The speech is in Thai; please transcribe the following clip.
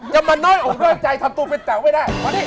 จะมาน้อยอ่อมด้วยใจทำตูเป็นแจ่งไม่ได้